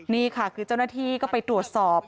นี่ค่ะคือเจ้าหน้าที่ก็ไปตรวจสอบ